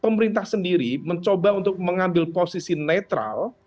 pemerintah sendiri mencoba untuk mengambil posisi netral